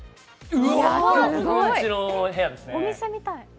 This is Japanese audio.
僕んちの部屋ですね。